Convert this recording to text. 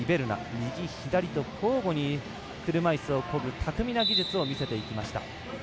右、左と交互に車いすをこぐ巧みな技術を見せていきました。